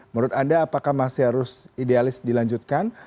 menurut anda apakah masih harus idealis dilanjutkan